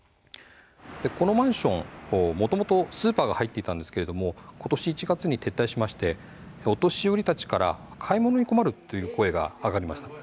このマンション、もともとスーパーが入っていたんですがことし１月に撤退しましてお年寄りたちから、買い物に困るという声が上がりました。